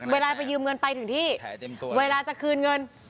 เวลาไปยืมเงินไปถึงที่เวลาจะคืนเงิน